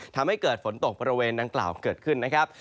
ทำให้เกิดฝนตกบริเวณดังกล่าวเกิดขึ้นนะครับ